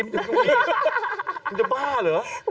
มันจะบ้าเหรอ